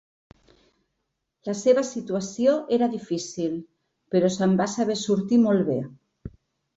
La seva situació era difícil, però se'n va saber sortir molt bé.